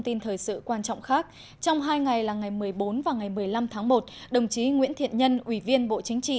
trong hai ngày là ngày một mươi bốn và ngày một mươi năm tháng một đồng chí nguyễn thiện nhân ủy viên bộ chính trị